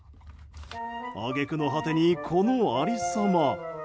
揚げ句の果てに、このありさま。